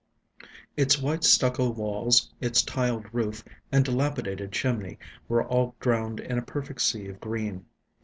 Its white stucco walls, its tiled roof, and dilapidated chimney, were all drowned in a perfect sea of green.